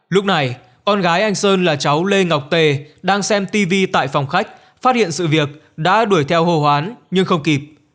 lúc này con gái anh sơn là cháu lê ngọc tề đang xem tv tại phòng khách phát hiện sự việc đã đuổi theo hồ hoán nhưng không kịp